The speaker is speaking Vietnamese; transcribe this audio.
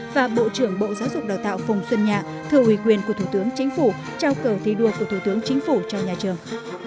và bộ trưởng bộ giáo dục đào tạo phùng xuân nhạ thư ủy quyền của thủ tướng chính phủ trao cờ thi đua của thủ tướng chính phủ cho nhà trường